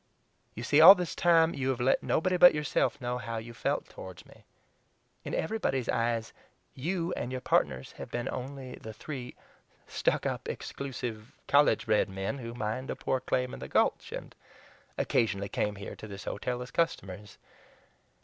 You see, all this time you have let nobody but yourself know how you felt toward me. In everybody's eyes YOU and your partners have been only the three stuck up, exclusive, college bred men who mined a poor claim in the Gulch, and occasionally came here to this hotel as customers.